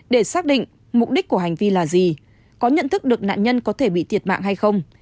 để xác định mục đích của hành vi là gì có nhận thức được nạn nhân có thể bị thiệt mạng hay không